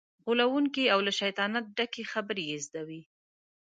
غولونکې او له شیطانت ډکې خبرې یې زده وي.